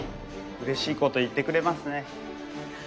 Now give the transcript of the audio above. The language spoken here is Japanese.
うれしいこと言ってくれますね。